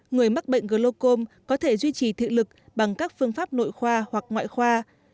người mắc bệnh glocom có thể duy trì thị lực bằng các phương pháp nội khoa hoặc ngoại khoa